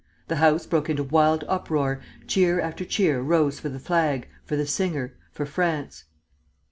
The house broke into wild uproar, cheer after cheer rose for the flag, for the singer, for France.